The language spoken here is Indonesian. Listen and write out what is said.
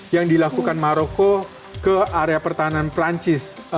yang dilakukan maroko ke area pertahanan perancis